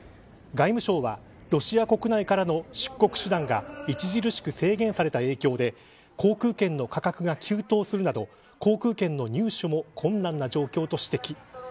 外務省は、ロシア国内からの出国手段が著しく制限された影響で航空券の価格が急騰するなど航空券の入手も困難な状況と指摘。